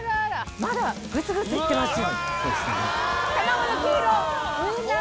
まだグツグツいってますよ。